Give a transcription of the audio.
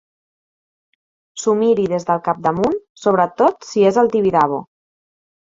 S'ho miri des del capdamunt, sobretot si és al Tibidabo.